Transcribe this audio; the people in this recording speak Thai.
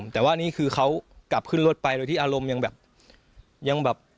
แต่ว่านี่คือเขากลับขึ้นรถไปโดยที่อารมณ์ยังแบบยังแบบ